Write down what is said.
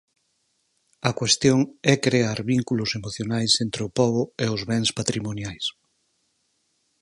A cuestión é crear vínculos emocionais entre o pobo e os bens patrimoniais.